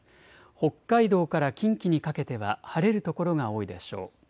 北海道から近畿にかけては晴れる所が多いでしょう。